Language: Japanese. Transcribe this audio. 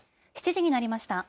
７時になりました。